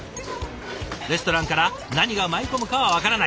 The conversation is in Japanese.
レストランから何が舞い込むかは分からない。